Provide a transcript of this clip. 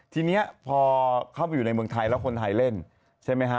ทีนี้พอเข้าไปอยู่ในเมืองไทยแล้วคนไทยเล่นใช่ไหมฮะ